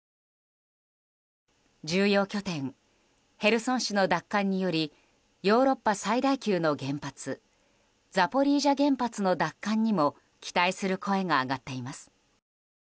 重要拠点ヘルソン市の奪還によりヨーロッパ最大級の原発ザポリージャ原発の奪還にも期待する声が上がっています。